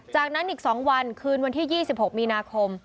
จากนั้นอีก๒วันคืนวันที่๒๖มีนาคม